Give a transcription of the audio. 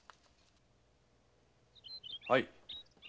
はい。